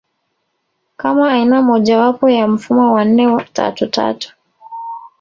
kama aina mojawapo ya mfumo wa nne tatu tatu